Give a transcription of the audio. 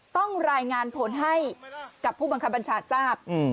ต้องรายงานผลให้กับผู้บังคับบัญชาทราบ